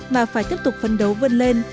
mà phải tiếp tục phân đấu vươn lên